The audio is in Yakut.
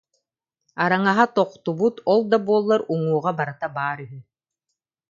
Араҥаһа тохтубут, ол да буоллар уҥуоҕа барыта баар үһү